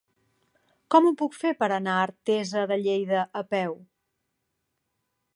Com ho puc fer per anar a Artesa de Lleida a peu?